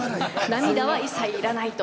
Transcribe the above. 涙は一切いらないと？